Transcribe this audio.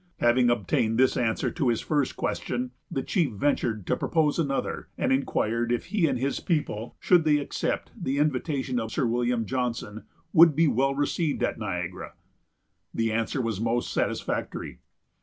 Having obtained this answer to his first question, the chief ventured to propose another; and inquired if he and his people, should they accept the invitation of Sir William Johnson, would be well received at Niagara. The answer was most satisfactory.